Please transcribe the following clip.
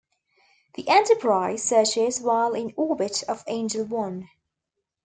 The "Enterprise" searches while in orbit of Angel One.